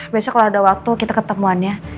biasanya kalau ada waktu kita ketemuannya